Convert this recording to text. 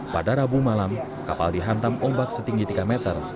pada rabu malam kapal dihantam ombak setinggi tiga meter